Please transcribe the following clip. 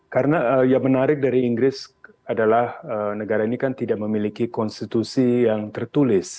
karena yang menarik dari inggris adalah negara ini kan tidak memiliki konstitusi yang tertulis